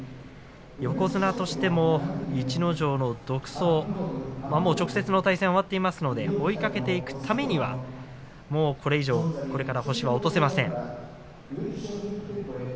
横綱としても逸ノ城の独走直接の対戦は終わっていますので追いかけていくためにはもうこれ以上、これから星は落とせません。